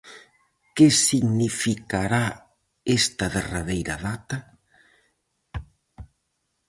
Que significará esta derradeira data?